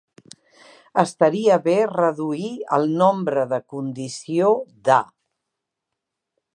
Estaria bé reduir el nombre de condició d'"A".